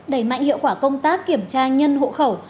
đẩy mạnh hiệu quả công tác kiểm tra nhân hộ khẩu